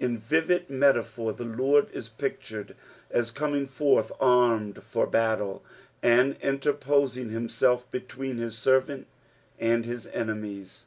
In vivid metaplior the Lord is pictured na coming forth armed for bottle, and interposing himself between Ills servant and his enemies.